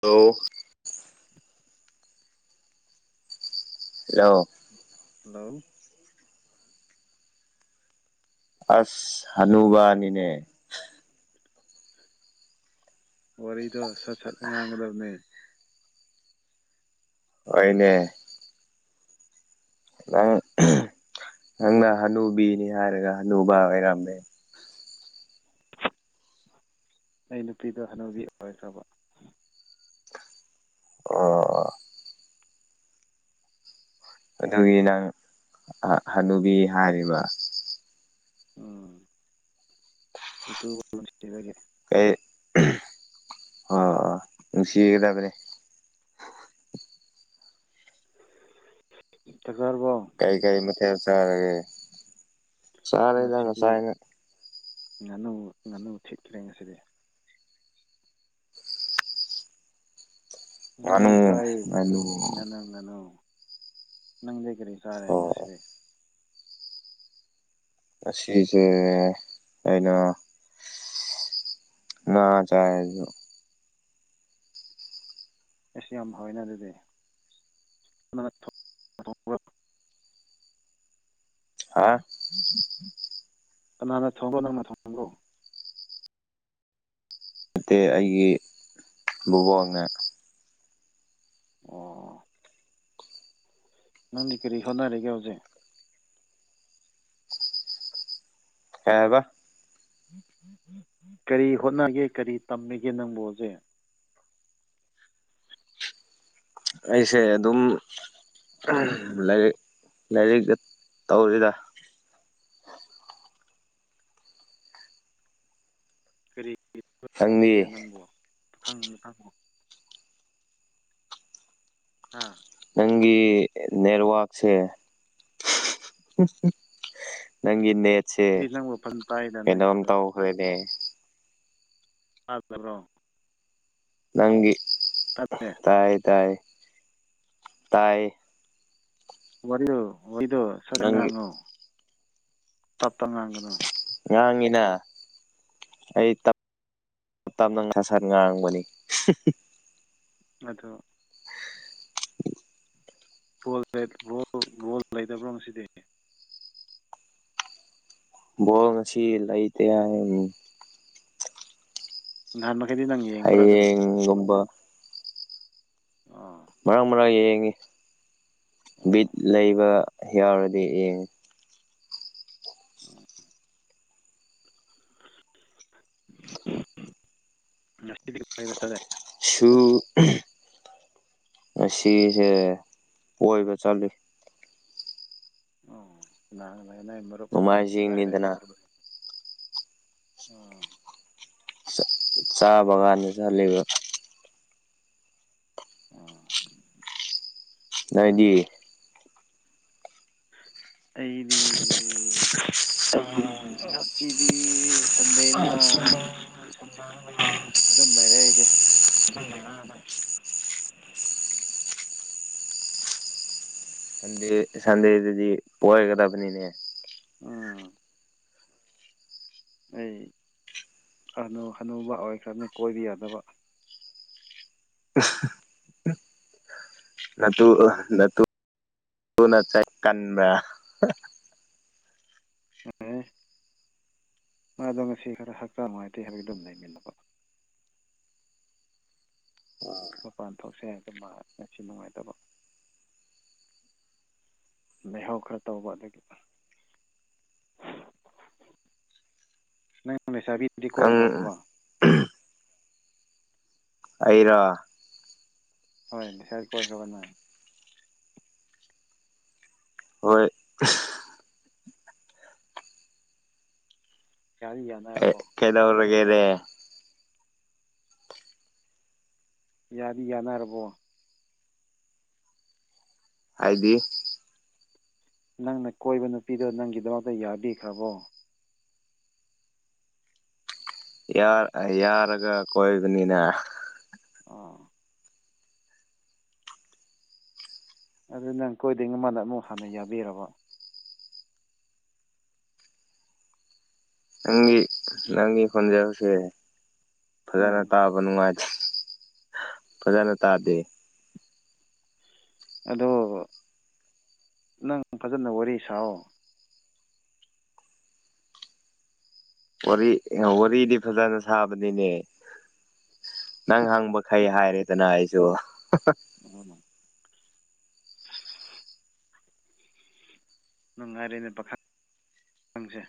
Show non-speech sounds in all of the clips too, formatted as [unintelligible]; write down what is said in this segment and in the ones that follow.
Hello. ꯌꯥꯎ꯫ Hello. ꯑꯁ ꯍꯅꯨꯕꯥꯅꯤꯅꯦ꯫ ꯋꯥꯔꯤꯗꯣ ꯁꯠ ꯁꯠ ꯉꯥꯡꯒꯗꯕꯅꯦ꯫ ꯍꯣꯏꯅꯦ꯫ ꯅꯪ ꯅꯪꯅ ꯍꯅꯨꯕꯤꯅꯤ ꯍꯥꯏꯔꯒ ꯍꯅꯨꯕꯥ ꯑꯣꯏꯔꯝꯃꯦ꯫ ꯑꯩ ꯅꯨꯄꯤꯗꯣ ꯍꯅꯨꯕꯤ ꯑꯣꯏꯈ꯭ꯔꯕ꯫ ꯑꯣ꯫ ꯑꯗꯨꯒꯤ ꯅꯪ ꯍꯅꯨꯕꯤ ꯍꯥꯏꯔꯤꯕ꯫ ꯎꯝ ꯑꯩ ꯁꯤꯔꯒꯦ ꯀꯩ ꯑꯣ ꯑ ꯅꯨꯡꯁꯤꯒꯗꯕꯅꯦ ꯊꯔꯕꯣ ꯀꯔꯤ ꯀꯔꯤ ꯃꯊꯦꯜ ꯆꯥꯔꯒꯦ ꯆꯥꯔꯗ ꯉꯁꯥꯏ ꯉꯁꯤꯗꯤ ꯑꯅ ꯉꯥꯅꯨ ꯉꯥꯅꯨ ꯊꯤꯠꯈ꯭ꯔꯦ ꯉꯁꯤꯗꯤ ꯉꯥꯅꯨ ꯉꯅꯨꯁꯥꯏꯌꯦ ꯉꯥꯅꯨ ꯉꯅꯨ ꯅꯪꯒꯅꯨ ꯅꯪꯗꯤ ꯀꯔꯤ ꯆꯥꯔꯦ ꯑꯣ ꯉꯁꯤꯗꯤ ꯑꯁꯤꯁꯦ ꯑꯩꯅ ꯅ ꯆꯥꯏ ꯑꯩꯁ ꯌꯥꯝ ꯍꯥꯎꯋꯦꯅ ꯑꯗꯨꯗꯤ [unintelligible] ꯊꯣꯡꯕ꯭ꯔꯣ ꯍꯥ꯫ ꯀꯅꯥꯅ ꯊꯣꯡꯕꯔꯣ ꯅꯪꯅ ꯊꯣꯡꯕꯔꯣ꯫ ꯅꯠꯇꯦ ꯑꯩꯒꯤ ꯕꯣꯕꯣꯛꯅ꯫ ꯑꯣ꯫ ꯅꯪꯗꯤ ꯀꯔꯤ ꯍꯣꯠꯅꯔꯤꯒꯦ ꯍꯧꯖꯤꯛ꯫ ꯀꯩ ꯍꯥꯏꯕ꯫ ꯀꯔꯤ ꯍꯣꯠꯅꯒꯦ ꯀꯔꯤ ꯇꯝꯃꯤꯒꯦ ꯅꯪꯕꯨ ꯍꯧꯖꯤꯛ꯫ ꯑꯩꯁꯦ ꯑꯗꯨꯝ꯫ ꯂꯥꯏꯔꯤꯛ ꯂꯥꯏꯔꯤꯛ ꯇꯧꯔꯤꯗ꯫ ꯅꯤꯒꯦ ꯅꯪꯗꯤ ꯅꯪꯕꯣ ꯈꯪꯅꯤ ꯈꯪꯉꯣ ꯍꯥꯥ ꯅꯪꯒꯤ ꯅꯦꯠꯋꯥꯔꯛꯁꯦ ꯅꯪꯒꯤ ꯅꯦꯠꯁꯦ ꯑꯩꯗꯤ ꯅꯪꯕꯨ ꯐꯖ ꯇꯥꯏꯗ ꯀꯩꯅꯣꯝ ꯅꯪꯒꯤꯗꯣ ꯇꯧꯈ꯭ꯔꯦꯅꯦ ꯆꯥꯖꯕ꯭ꯔꯣ ꯅꯪꯒꯤ ꯇꯥꯗꯦ ꯇꯥꯏ ꯇꯥꯏ ꯇꯥꯏ ꯋꯥꯔꯨ ꯑꯣꯏꯗꯣ ꯅꯪꯒꯤ ꯁꯔꯒꯥꯉꯨ ꯇꯞꯇ ꯉꯒꯅꯨ ꯉꯥꯡꯉꯤꯅ ꯑꯩꯞ ꯇꯞꯅ ꯁꯥ ꯁꯟ ꯉꯥꯡꯕꯅꯤ ꯑꯣ ꯣ ꯕꯣꯜ ꯂꯩꯗꯕ꯭ꯔꯣ ꯉꯁꯤꯗꯤ ꯕꯣ ꯉꯁꯤ ꯂꯩꯇ ꯍꯥꯏ ꯅꯍꯥꯟ ꯃꯈꯩꯗꯤ ꯅꯪ ꯌꯦꯡꯕ꯭ꯔꯥ ꯑꯗꯨꯝ ꯎꯝꯒꯝꯕ ꯑꯥ ꯃꯔꯥꯡ ꯃꯔꯥꯡ ꯌꯦꯡꯉꯤ ꯑꯣ ꯕꯤꯠ ꯂꯩꯕ ꯌꯥꯎꯔꯗꯤ ꯌꯦꯡꯉꯤ ꯎꯝ ꯅ ꯐꯕꯁꯗꯦ ꯁꯨ ꯑꯁꯤꯁꯦ ꯑꯣꯏꯕ ꯆꯠꯂꯤ ꯑꯣꯍꯥꯟ ꯅ ꯃꯔꯨꯞ ꯑꯩꯈꯣꯏꯒ ꯀꯗꯥꯏꯗ ꯅꯣꯡꯃꯥꯏꯖꯤꯡꯅꯤꯗꯅ ꯌꯧꯔꯕꯒꯦ ꯎꯝ ꯆꯥꯕꯒꯥꯟꯗꯁꯨꯍꯜꯂꯤꯕ ꯑꯣꯥ ꯥꯏꯗꯤ ꯑꯩꯗꯤ ꯑꯁꯤꯗꯤ ꯆꯗꯦꯅꯤꯅ ꯔ ꯑꯗꯨꯝ ꯂꯩꯔꯦ ꯑꯩꯗꯤ ꯎꯝ ꯎ ꯁꯟꯗꯦ ꯁꯟꯗꯦꯗꯗꯤ ꯄꯑꯒꯗꯕꯅꯤꯅꯦ ꯎꯝ ꯑꯩ ꯀꯅꯨ ꯑꯅꯨꯕ ꯑꯣꯏꯈ꯭ꯔꯅꯤ ꯀꯣꯏꯕ ꯌꯥꯗꯕ ꯏꯁ [unintelligible] ꯑꯦ [unintelligible] ꯎꯝ ꯃꯄꯥꯟ ꯊꯣꯛꯁꯦ ꯑꯗꯨ ꯃꯥ ꯉꯁꯤ ꯅꯨꯡꯉꯥꯏꯇꯕ ꯂꯩꯩꯍꯥꯎ ꯈꯔ ꯇꯧꯕ ꯑꯗꯒꯤ ꯅꯪ ꯂꯩꯁꯥꯕꯤꯗꯤ ꯅꯪ ꯀꯣꯏꯈ꯭ꯔꯕꯣ ꯑꯩꯔꯣ ꯍꯣꯏ ꯂꯩꯁꯥꯕꯤ ꯀꯣꯏ ꯍꯥꯏꯕ ꯅꯪ ꯍꯣꯏ ꯌꯥꯔꯤ ꯌꯥꯅꯔꯕꯣ ꯀꯩꯅꯧꯔꯒꯦꯅꯦ ꯌꯥꯗꯤ ꯌꯥꯅꯔꯕꯣ ꯍꯥꯏꯗꯤ ꯅꯪꯅ ꯀꯣꯏꯕ ꯅꯨꯄꯤꯗꯣ ꯅꯪꯒꯤꯗꯃꯛꯇ ꯌꯥꯕꯤꯈ꯭ꯔꯕꯣ ꯌꯥꯔ ꯑ ꯌꯥꯔꯒ ꯀꯣꯏꯕꯅꯤꯅ ꯑꯥ ꯑꯗꯨ ꯅꯪ ꯀꯣꯏꯗꯩ ꯃꯃꯥꯡꯗ ꯑꯃꯨꯛ ꯍꯥꯟꯅ ꯌꯥꯕꯤꯔꯕ ꯅꯪꯒꯤ ꯅꯪꯒꯤ ꯈꯣꯟꯖꯦꯟꯁꯦ ꯐꯖꯅ ꯎꯝ ꯇꯥꯕ ꯅꯨꯡꯉꯥꯏꯇꯦ ꯐꯖꯅ ꯇꯥꯗꯦ ꯑꯗꯣ ꯅꯪ ꯐꯖꯅ ꯋꯥꯔꯤ ꯁꯥꯑꯣ ꯋꯥꯔꯤ ꯋꯥꯔꯤꯗꯤ ꯐꯖꯅ ꯁꯥꯕꯅꯤꯅꯦ ꯅꯪ ꯍꯪꯕꯈꯩ ꯍꯥꯏꯔꯦꯗꯅ ꯑꯩꯁꯨ ꯑꯝ ꯅꯨꯡꯉꯥꯏꯔꯦꯅꯦ ꯄꯥꯈꯪꯁꯦ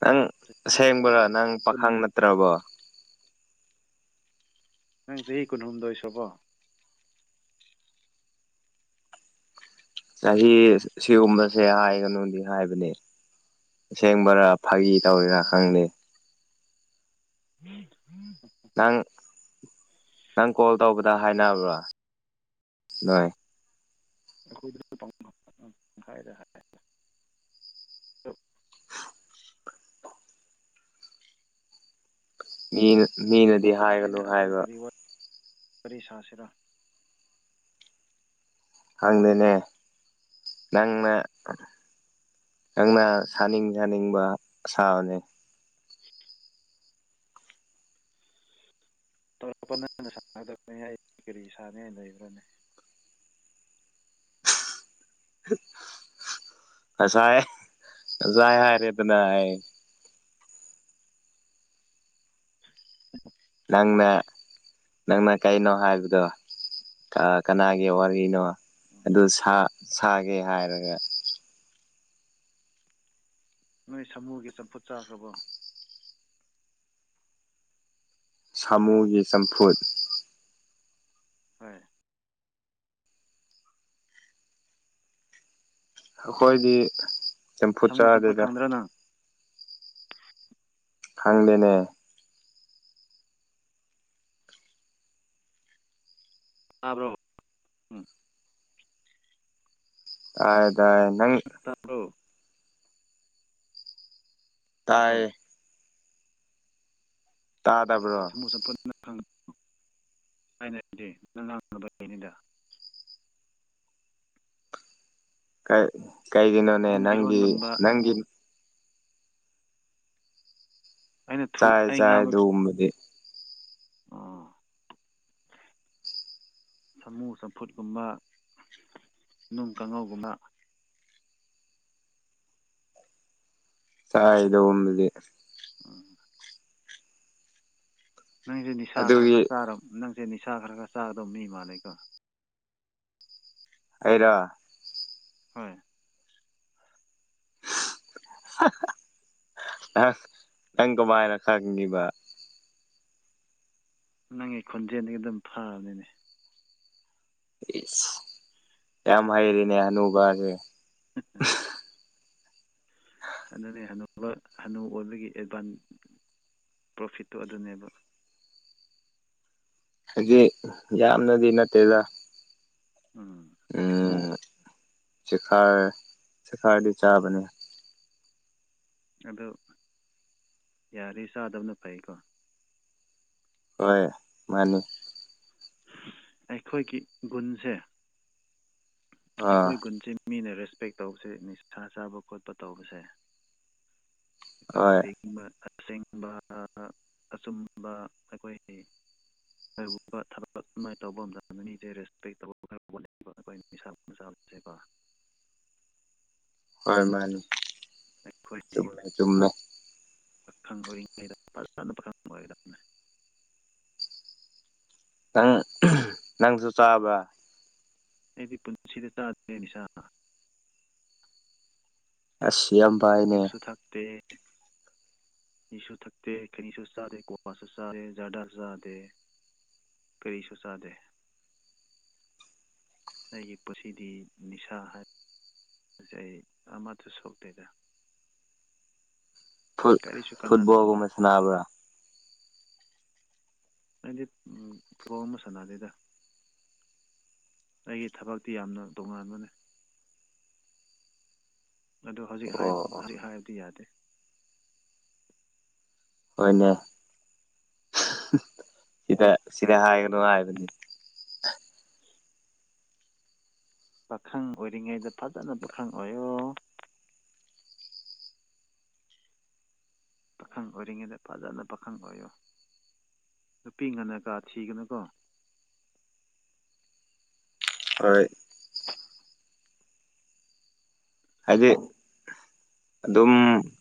ꯅꯪ ꯆꯍꯤ ꯑꯁꯦꯡꯕ꯭ꯔꯥ ꯅꯪ ꯀꯨꯟ ꯄꯥꯈꯪ ꯅꯠꯇ꯭ꯔꯕꯣ ꯅꯪ ꯆꯍꯤ ꯀꯨꯟꯍꯨꯝꯗꯣꯏ ꯁꯨꯕꯣ ꯆꯍꯤ ꯁꯤꯒꯨꯝꯕꯁꯦ ꯍꯥꯏꯒꯅꯨꯗꯤ ꯍꯥꯏꯕꯅꯦ ꯑꯁꯦꯡꯕꯔꯥ ꯐꯒꯤ ꯇꯧꯔꯤꯔꯥ ꯑꯣ ꯈꯪꯗꯦ ꯎꯝ ꯎꯝ ꯅꯪ ꯅꯪ ꯀꯣꯜ ꯇꯧꯕꯗ ꯍꯥꯏꯅꯕ꯭ꯔꯣ ꯅꯣꯏ [unintelligible] ꯃꯤꯅ ꯃꯤꯅꯗꯤ ꯍꯥꯏꯒꯅꯨ ꯐꯔꯦꯅꯦ ꯑꯗꯨ ꯍꯥꯏꯕ ꯀꯔꯤ ꯋꯥꯔꯤ ꯁꯥꯁꯤꯔꯥ ꯈꯪꯗꯦꯅꯦ ꯅꯪꯅ ꯅꯪꯅ ꯁꯥꯅꯤꯡ ꯁꯥꯅꯤꯡꯕ ꯁꯥꯕꯅꯤ [unintelligible] ꯀꯔꯤ ꯁꯥꯅꯤ ꯍꯥꯏꯅ ꯂꯩꯕ꯭ꯔꯥꯅꯦ ꯑꯁꯥꯏ ꯑꯁꯥꯏ ꯍꯥꯏꯔꯦ ꯑꯗꯨꯅ [inaudible] ꯅꯪꯅ ꯅꯪꯅ ꯀꯩꯅꯣ ꯍꯥꯏꯕꯗꯣ ꯊꯑ ꯀꯅꯥꯒꯤ ꯋꯥꯔꯤꯅꯣ ꯑꯗꯨ ꯁꯥꯒꯦ ꯍꯥꯏꯔꯒ ꯅꯣꯏ ꯁꯃꯨꯒꯤ ꯆꯝꯐꯨꯠ ꯆꯥꯈ꯭ꯔꯕꯣ ꯁꯥꯃꯨꯒꯤ ꯆꯝꯐꯨꯠ ꯍꯣꯏ ꯑꯩꯈꯣꯏꯗꯤ ꯆꯝꯐꯨꯠ ꯁꯥꯃꯨ ꯆꯝꯐꯨꯠ ꯆꯥꯗꯦꯗ ꯈꯪꯗ꯭ꯔꯣ ꯅꯪ ꯈꯪꯗꯦꯅꯦ ꯇꯥꯕ꯭ꯔꯣ ꯎꯝ ꯑ ꯗꯥꯏ ꯅꯪ ꯇꯥꯕ꯭ꯔꯣ ꯇꯥꯕ꯭ꯔꯣ ꯇꯥꯏꯌꯦ ꯇꯥꯗꯕ꯭ꯔꯣ [unintelligible] ꯀꯩ ꯀꯩꯒꯝꯅꯣꯅꯦ ꯅꯪ ꯅꯪꯒꯤ ꯏꯔꯣꯟꯕꯒꯨꯝꯕ ꯁꯥꯃꯨ ꯅꯪꯒꯤ ꯑꯩꯅ ꯊꯨ ꯆꯥꯏ ꯑꯩ ꯆꯥꯏ ꯉꯥꯡꯕ ꯑꯗꯨꯒꯨꯝꯕꯗꯤ ꯑꯣ [inaudible] ꯁꯥꯃꯨ ꯆꯝꯐꯨꯠꯀꯨꯝꯕ ꯅꯨꯡ ꯀꯥꯡꯉꯧꯒꯨꯝꯕ ꯆꯥꯏ [unintelligible] [unintelligible] ꯅꯪꯁꯦ ꯅꯤꯁꯥ ꯈꯔ ꯑꯗꯨꯒꯤ ꯈꯔ ꯆꯥꯔꯕ ꯅꯪꯁꯦ ꯅꯤꯁꯥ ꯈꯔ ꯈꯔ ꯆꯥꯒꯗꯧꯕ ꯃꯤ ꯃꯥꯥꯟꯂꯦꯀꯣ ꯑꯩꯔꯣ ꯍꯣꯏ [unintelligible] ꯅꯪ ꯅꯪ ꯀꯃꯥꯏꯅ ꯈꯪꯉꯤꯕ ꯅꯪꯒꯤ ꯈꯣꯟꯖꯦꯜꯗꯒꯤ ꯑꯗꯨꯝ ꯐꯔꯕꯅꯤꯅꯦ ꯏꯁ ꯌꯥꯝ ꯍꯩꯔꯦꯅꯦ ꯍꯅꯨꯕꯁꯦ [unintelligible] ꯑꯗꯨꯅꯦ ꯍꯅꯨ ꯍꯥꯅꯨ ꯑꯣꯏꯕꯒꯤ ꯑꯦꯗꯚꯥꯟ ꯄ꯭ꯔꯣꯐꯤꯠꯇꯣ ꯑꯗꯨꯅꯦꯕ ꯍꯥꯏꯗꯤ ꯌꯥꯝꯅꯗꯤ ꯅꯠꯇꯦꯗ ꯎꯝ ꯎꯝ ꯆꯦꯈꯥꯏ ꯆꯦꯈꯥꯏꯔꯗꯤ ꯆꯥꯕꯅꯦ ꯑꯗꯨ ꯌꯥꯔꯗꯤ ꯆꯥꯗꯕꯅ ꯐꯩꯀꯣ ꯍꯣꯏ ꯃꯥꯅꯤ ꯑꯩꯈꯣꯏꯒꯤ ꯒꯨꯟꯁꯦ ꯑꯥ ꯑꯩꯈꯣꯏ ꯒꯨꯟꯁꯦ ꯃꯤꯅ ꯔꯦꯁꯄꯦꯛ ꯇꯧꯕꯁꯦ ꯅꯤꯁꯥ ꯆꯥꯕ ꯈꯣꯠꯄ ꯇꯧꯕꯁꯦ ꯑꯩꯈꯣꯏꯅ ꯍꯣꯏ [unintelligible] ꯑꯁꯦꯡꯕ ꯑꯆꯨꯝꯕ ꯑꯩꯈꯣꯏꯒꯤ [unintelligible] ꯇꯧꯕ ꯃꯇꯝꯗ ꯃꯤꯁꯦ ꯔꯦꯁꯄꯦꯛ ꯇꯧ [inaudible] [unintelligible] ꯍꯣꯏ ꯃꯥꯅꯤ ꯑꯗꯨꯅ ꯑꯩꯈꯣꯏ ꯆꯨꯝꯃꯦ ꯆꯨꯝꯃꯦ ꯄꯥꯈꯪ ꯑꯣꯏꯔꯤꯉꯩꯗ [unintelligible] [unintelligible] ꯅꯪ [unintelligible] ꯅꯪꯁꯨ ꯆꯥꯕ꯭ꯔ ꯑꯩꯗꯤ ꯄꯨꯟꯁꯤꯗ ꯆꯥꯗ꯭ꯔꯤ ꯅꯤꯁꯥ ꯑꯁ ꯌꯥꯝꯕꯥꯥꯏ ꯌꯨꯁꯨ ꯊꯛꯇꯦ ꯌꯨꯁꯨ ꯊꯛꯇꯦ ꯈꯩꯅꯤꯁꯨ ꯆꯥꯗꯦ ꯀꯋꯥꯁꯨ ꯆꯥꯗꯦ ꯖꯔꯗꯥꯁꯨ ꯆꯥꯗꯦ ꯀꯔꯤꯁꯨ ꯆꯥꯗꯦ ꯑꯩꯒꯤ ꯄꯨꯟꯁꯤꯗꯤ ꯅꯤꯁꯥ ꯍꯥꯏꯕꯁꯦ ꯑꯩ ꯑꯃꯠꯇ ꯁꯣꯛꯇꯦꯗ ꯐꯨꯠ ꯀꯔꯤꯁꯨ ꯀꯥꯟꯅꯗꯕꯀꯣ ꯐꯨꯠꯕꯣꯜꯒꯨꯝꯕ ꯁꯅꯥꯕ꯭ꯔ ꯑꯩꯗꯤ ꯑꯝ ꯐꯨꯠꯕꯣꯜ ꯒꯨꯝꯕ ꯁꯥꯟꯅꯗꯦꯗ ꯑꯩꯒꯤ ꯊꯕꯛꯇꯤ ꯌꯥꯝꯅ ꯇꯣꯉꯥꯟꯕꯅꯦ ꯑꯗꯨ ꯍꯧꯖꯤꯛ ꯑꯣ ꯍꯥꯏꯕ ꯍꯧꯖꯤꯛ ꯍꯥꯏꯕꯗꯤ ꯌꯥꯗꯦ ꯍꯣꯏꯅꯦ ꯁꯤꯗ ꯁꯤꯗ ꯍꯥꯏꯒꯅꯨ ꯍꯥꯏꯕꯅꯤ ꯄꯥꯈꯪ ꯑꯣꯏꯔꯤꯉꯩꯗ ꯐꯖꯅ ꯄꯥꯈꯪ ꯑꯣꯏꯌꯣ ꯄꯥꯈꯪ ꯑꯣꯏꯔꯤꯉꯩꯗ ꯐꯖꯅ ꯄꯥꯈꯪ ꯑꯣꯏꯌꯣ ꯅꯨꯄꯤ ꯉꯟꯅ ꯀꯥ ꯊꯤꯒꯅꯨꯀꯣ ꯍꯣꯏ ꯍꯥꯏꯗꯤ ꯑꯗꯨꯝ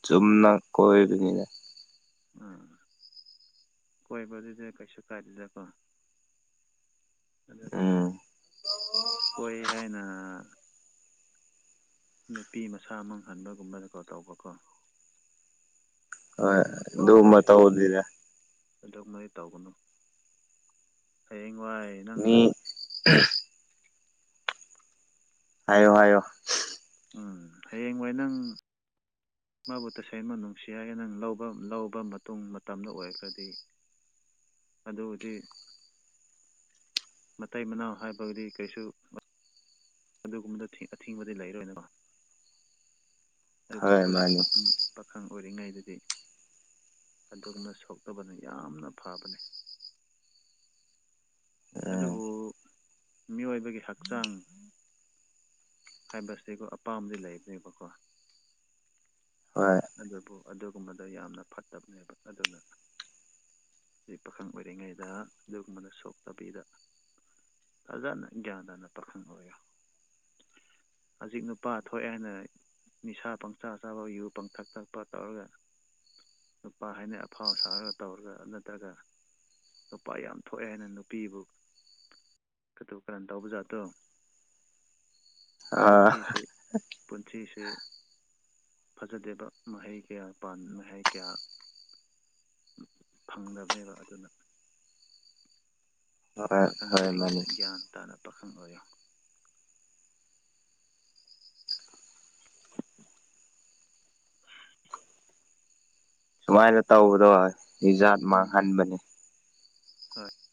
ꯆꯨꯝꯅ ꯀꯣꯏꯕꯅꯤꯗ ꯑꯥ ꯀꯣꯏꯕ ꯗꯨꯗꯤ ꯀꯩꯁꯨ ꯀꯥꯏꯗꯦꯗꯀꯣ ꯑꯗꯨ ꯎꯝ ꯀꯣꯏ ꯍꯥꯏꯅ ꯅꯨꯄꯤ ꯃꯁꯥ ꯃꯪꯍꯟꯕꯒꯨꯝꯕꯗꯀꯣ ꯇꯧꯕꯀꯣ ꯍꯣꯏ ꯑꯗꯨꯒꯨꯝꯕ ꯑꯗꯨꯝꯕ ꯇꯧꯗꯦꯗ ꯑꯗꯨ ꯃꯣꯏ ꯇꯧꯒꯅꯨ ꯍꯌꯦꯡꯋꯥꯏ ꯅꯪꯅ ꯃꯤ ꯍꯥꯏꯌꯣ ꯍꯥꯏꯌꯣ ꯎꯝ ꯍꯌꯦꯡ ꯍꯥꯏ ꯅꯪ ꯃꯥꯕꯨ ꯇꯁꯦꯡꯅ ꯅꯨꯡꯁꯤ ꯍꯥꯏꯌꯦꯦ ꯅꯪ ꯂꯧꯕ ꯂꯧꯕ ꯃꯇꯨꯡ ꯃꯇꯝꯗ ꯑꯣꯏꯔꯒꯗꯤ ꯑꯗꯨꯕꯨꯗꯤ ꯃꯇꯩ ꯃꯅꯥꯎ ꯍꯥꯏꯕꯒꯗꯤ ꯀꯩꯁꯨ ꯑꯗꯨꯒꯨꯝꯕꯗ ꯑꯊꯤꯡꯕꯗꯤ ꯂꯩꯔꯣꯏꯗꯕ ꯑꯗꯨꯕꯨ ꯍꯣꯏ ꯍꯧꯖꯤꯛ ꯃꯥꯅꯤ ꯋꯥ ꯄꯥꯈꯪ ꯑꯣꯏꯔꯤꯉꯩꯗꯗꯤ ꯑꯗꯨꯒꯨꯝꯅ ꯁꯣꯛꯇꯕꯅ ꯌꯥꯝꯅ ꯐꯕꯅꯤ ꯎꯝ ꯑꯗꯨꯕꯨ ꯃꯤꯑꯣꯏꯕꯒꯤ ꯍꯛꯆꯥꯡ ꯍꯥꯏꯕꯁꯤ ꯑꯩꯈꯣ ꯑꯄꯥꯝꯕꯗꯤ ꯂꯩꯕꯅꯦꯕꯀꯣ ꯍꯣꯏ ꯑꯗꯨꯕꯨ ꯑꯗꯨꯒꯨꯝꯕꯗ ꯌꯥꯝꯅ ꯐꯠꯇꯕꯅꯦꯕ ꯑꯗꯨꯅ ꯑꯩ ꯄꯥꯈꯪ ꯑꯣꯏꯔꯤꯉꯩꯗ ꯑꯗꯨꯒꯨꯝꯕꯅ ꯁꯣꯛ ꯇꯕꯤꯗ ꯐꯖꯅ ꯒ꯭ꯌꯥꯟ ꯇꯥꯅ ꯄꯥꯈꯪ ꯑꯣꯏꯔꯣ ꯍꯧꯖꯤꯛ ꯅꯨꯄꯥ ꯊꯣꯛꯑꯦ ꯍꯥꯏꯅ ꯅꯤꯁꯥ ꯄꯪꯆꯥ ꯆꯥꯕ ꯌꯨ ꯄ ꯊꯛ ꯊꯛꯄ ꯇꯧꯔꯒ ꯅꯨꯨꯄꯥ ꯍꯥꯏꯅ ꯑꯐꯥꯎ ꯁꯥꯔꯒ ꯇꯧꯔꯒ ꯅꯠꯇ꯭ꯔꯒ ꯅꯨꯄꯥ ꯌꯥꯝ ꯊꯣꯛꯑꯦ ꯍꯥꯏꯅ ꯅꯨꯄꯤꯕꯨ ꯀꯧ ꯀꯔꯝ ꯇꯧꯕ ꯖꯥꯠꯇꯣ ꯑ ꯄꯨꯟꯁꯤꯁꯦ ꯄꯨꯟꯁꯤꯁꯦ ꯐꯖꯗꯦꯕ ꯃꯍꯩ ꯀꯌꯥ ꯃꯍꯥꯏ ꯀꯌꯥ ꯐꯪꯅꯕꯅꯦꯕ ꯑꯗꯨꯅ ꯍꯣꯏ ꯄꯥꯈꯪ ꯍꯣꯏ ꯃꯥꯅꯤ ꯑꯣꯏꯔꯤꯉꯩꯗꯝ ꯒ꯭ꯌꯥꯟ ꯇꯥꯅ ꯄꯥꯈꯪ ꯑꯣꯏꯔꯣ ꯁꯨꯃꯥꯏꯅ ꯇꯧꯕꯗꯣ ꯍꯤꯖꯥꯠ ꯎꯝ ꯃꯥꯡꯍꯟꯕꯅꯦ ꯍꯣꯏ